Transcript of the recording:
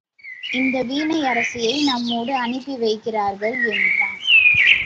இந்த வீணையரசியை நம்மோடு அனுப்பி வைக்கிறார்கள் எனறான்.